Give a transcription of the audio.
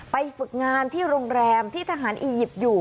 ฝึกงานที่โรงแรมที่ทหารอียิปต์อยู่